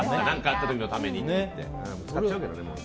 何かあった時のためにね。